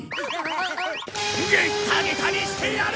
ギッタギタにしてやる！